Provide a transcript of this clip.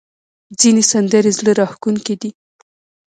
ځینې سندرې زړه راښکونکې دي.